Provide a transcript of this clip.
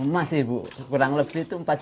masih bu kurang lebih itu empat juta